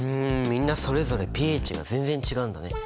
みんなそれぞれｐＨが全然違うんだね。